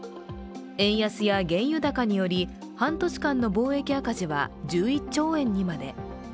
円安や原油高により、半年間の貿易赤字は１１兆円にまで。